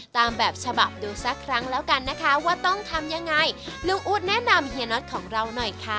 ตามแบบฉบับดูสักครั้งแล้วกันนะคะว่าต้องทำยังไงลุงอุ๊ดแนะนำเฮียน็อตของเราหน่อยค่ะ